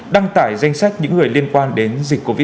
đăng tải danh sách những người liên quan đến dịch vụ karaoke